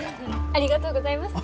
ありがとうございます。